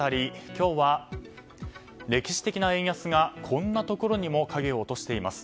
今日は、歴史的な円安がこんなところにも影を落としています。